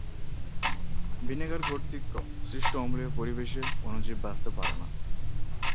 Vinegar কর্তৃক সৃষ্ট অম্লীয় পরিবেশে অণুজীব বাঁচতে পারেনা।